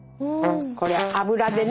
これは油でね